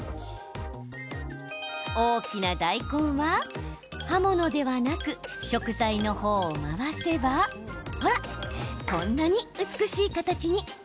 大きな大根は刃物ではなく食材の方を回せばほら、こんなに美しい形に。